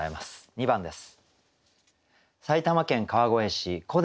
２番です。